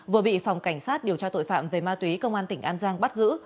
vừa bị phòng cảnh sát điều tra tội phạm về ma túy công an tỉnh an giang bắt giữ